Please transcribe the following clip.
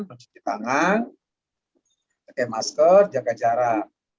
mencuci tangan pakai masker jaga jarak